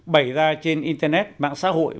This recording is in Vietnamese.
bày ra trên internet mạng xã hội